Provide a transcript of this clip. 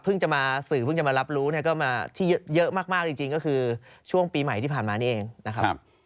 จะมาสื่อเพิ่งจะมารับรู้เนี่ยก็มาที่เยอะมากจริงก็คือช่วงปีใหม่ที่ผ่านมานี่เองนะครับ